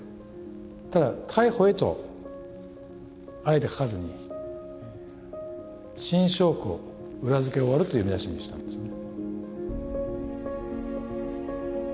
ただ「逮捕へ」とあえて書かずに「新証拠裏付け終わる」という見出しにしたんですよね。